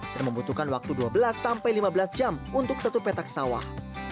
dan membutuhkan waktu dua belas sampai lima belas jam untuk satu petak sawah